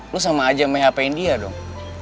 lo sama aja mah hp in dia dong